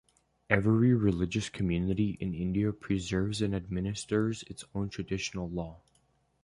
Every religious community in India preserves and administers its own traditional law.